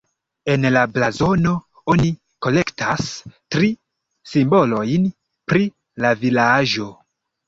En la blazono oni kolektas tri simbolojn pri la vilaĝo.